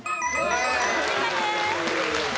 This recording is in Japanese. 正解です。